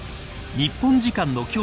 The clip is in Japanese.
日本時間の今日